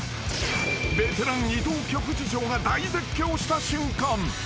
［ベテラン伊藤局次長が大絶叫した瞬間］